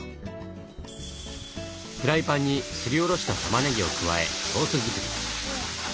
フライパンにすりおろしたたまねぎを加えソース作り。